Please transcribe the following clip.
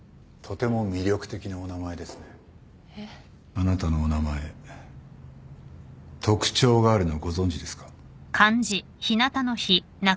あなたのお名前特徴があるのご存じですか？